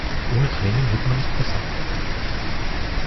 Ohne Training wird man nicht besser.